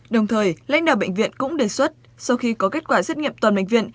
đồng thời lãnh đạo bệnh viện cũng đề xuất sau khi có kết quả xét nghiệm toàn bệnh viện